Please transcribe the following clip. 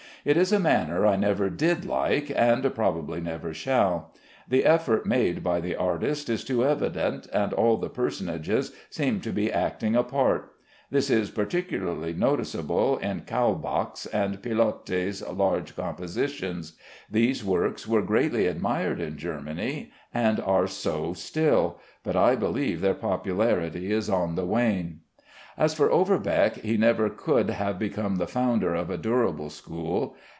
It is a manner I never did like, and probably never shall. The effort made by the artist is too evident, and all the personages seem to be acting a part. This is particularly noticeable in Kaulbach's and Piloty's large compositions. These works were greatly admired in Germany, and are so still, but I believe their popularity is on the wane. As for Overbeck, he never could have become the founder of a durable school.